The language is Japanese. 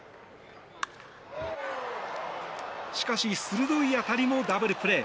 しかし、鋭い当たりもダブルプレー。